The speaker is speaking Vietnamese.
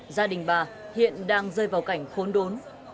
gia đình bà hiện đang rơi vào cảnh khốn đốn